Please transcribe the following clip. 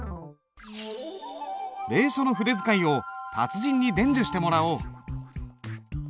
隷書の筆使いを達人に伝授してもらおう。